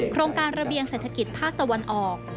โครงการระเบียงเศรษฐกิจภาคตะวันออก